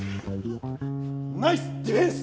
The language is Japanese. ナイスディフェンス！